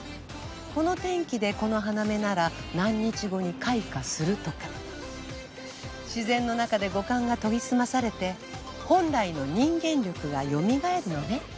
この天気でこの花芽なら何日後に開花するとか自然の中で五感が研ぎ澄まされて本来の人間力が蘇るのね。